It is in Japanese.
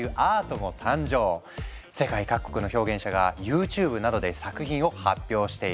世界各国の表現者がＹｏｕＴｕｂｅなどで作品を発表している。